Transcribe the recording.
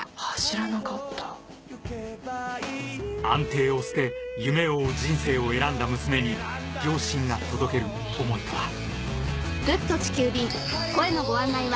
安定を捨て夢を追う人生を選んだ娘に両親が届ける想いとは？